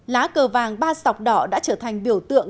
lá cờ vàng ba sọc đỏ đã trở thành biểu tượng